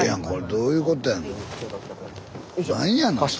これどういうことやの？